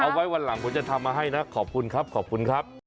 เอาไว้วันหลังผมจะทำมาให้นะขอบคุณครับ